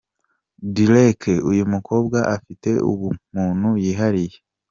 Derek ’uyu mukobwa afite ubumuntu yihariye’.